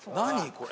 これ。